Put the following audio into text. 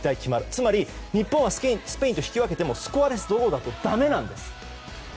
つまり日本はスペインと引き分けてもスコアレスドローだとだめなんです。